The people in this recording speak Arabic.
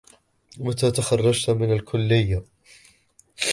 متى تخرّجت من الكليّة؟